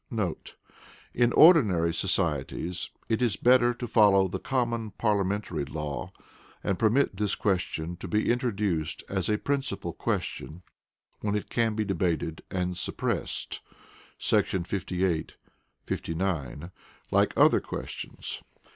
[In ordinary societies it is better to follow the common parliamentary law, and permit this question to be introduced as a principal question, when it can be debated and suppressed [§ 58, 59] like other questions.